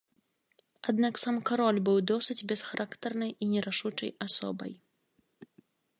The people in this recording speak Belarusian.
Аднак сам кароль быў досыць бесхарактарнай і нерашучай асобай.